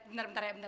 bentar bentar bentar